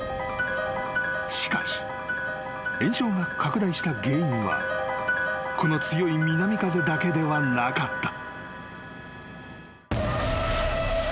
［しかし延焼が拡大した原因はこの強い南風だけではなかった］